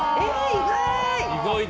意外。